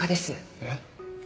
えっ？